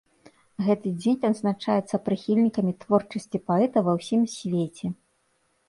Гэты дзень адзначаецца прыхільнікамі творчасці паэта ва ўсім свеце.